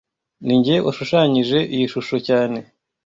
Ninjye washushanyije iyi shusho cyane